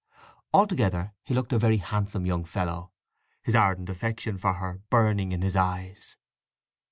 Altogether he looked a very handsome young fellow, his ardent affection for her burning in his eyes.